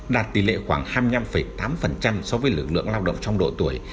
đạt tỷ lệ khoảng hai mươi năm tám so với lực lượng lao động trong độ tuổi